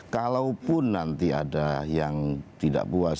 kalaupun nanti ada yang tidak puas